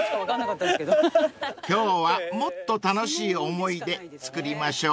［今日はもっと楽しい思い出つくりましょう］